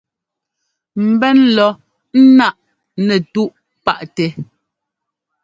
Mbɛ́n lɔ ńnáꞌ nɛtúꞌ páꞌ tɛ.